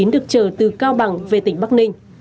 được chờ từ cao bằng về tỉnh bắc ninh